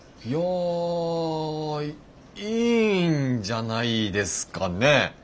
いやいいんじゃないですかね！